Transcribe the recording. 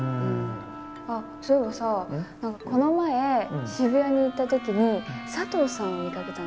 あっそういえばさこの前渋谷に行った時にサトウさんを見かけたの。